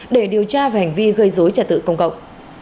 để điều tra về hành vi gây dối trả tự công cộng